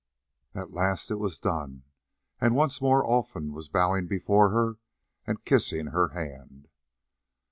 At last it was done, and once more Olfan was bowing before her and kissing her hand.